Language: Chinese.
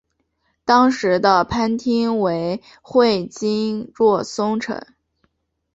当时的藩厅为会津若松城。